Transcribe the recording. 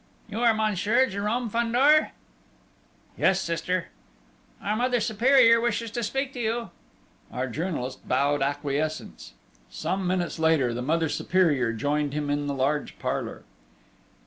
"You are Monsieur Jérôme Fandor?" "Yes, sister." "Our Mother Superior wishes to speak to you." Our journalist bowed acquiescence. Some minutes later, the Mother Superior joined him in the large parlour.